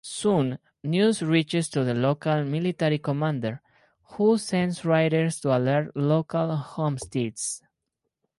Soon news reaches the local military commander, who sends riders to alert local homesteads.